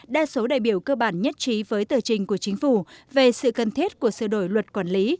đa số đại biểu cơ bản nhất trí với tờ trình của chính phủ về sự cần thiết của sửa đổi luật quản lý